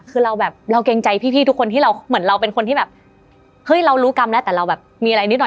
คือเราแบบเราเกรงใจพี่ทุกคนที่เราเหมือนเราเป็นคนที่แบบเฮ้ยเรารู้กรรมแล้วแต่เราแบบมีอะไรนิดหน่อย